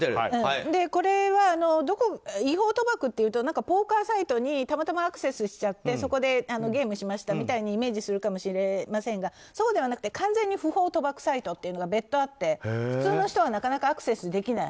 これは違法賭博というとポーカーサイトにたまたまアクセスしちゃってそこでゲームをしましたとイメージするかもですがそうではなくて完全に不法賭博サイトが別途あって普通の人はなかなかアクセスできない。